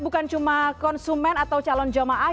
bukan cuma konsumen atau calon jemaah